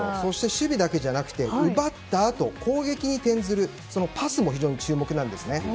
守備だけじゃなくて奪ったあと攻撃に転ずるパスも非常に注目です。